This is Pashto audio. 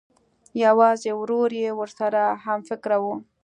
یوازې ورور یې ورسره همفکره و